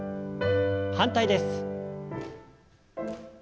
反対です。